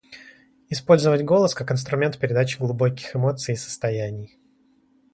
Использовать голос как инструмент передачи глубоких эмоций и состояний.